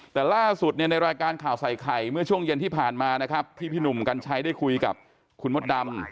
แต่ล่าสุดเนี่ยในรายการข่าวใส่ไข่เมื่อช่วงเย็นที่ผ่านมานะครับที่พี่หนุ่มกัญชัยได้คุยกับคุณมดดำ